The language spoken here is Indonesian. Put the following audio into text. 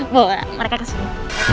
bawa mereka kesini